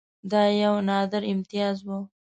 دا یو نادر امتیاز وو.